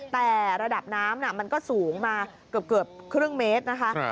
แต่ระดับน้ำมันก็สูงมาเกือบครึ่งเมตรนะคะ